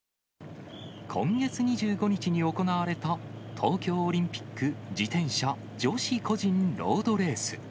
今月２５日に行われた、東京オリンピック自転車女子個人ロードレース。